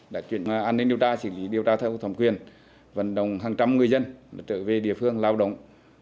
đã chuyển an ninh điều tra xử lý điều tra theo thẩm quyền vận động hàng trăm người dân trở về địa phương lao động